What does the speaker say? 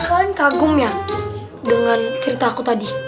kalian kagum ya dengan cerita aku tadi